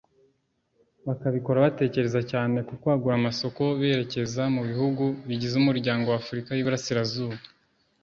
bakabikora batekereza cyane ku kwagura amasoko berekeza mu bihugu bigize Umuryango wa Afurika y’Iburasirazuba